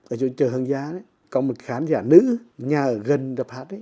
ở chỗ trời hương giá có một khán giả nữ nhà ở gần đập hát